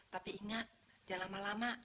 tapi ingat ya lama lama